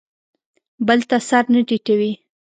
بل ته سر نه ټیټوي.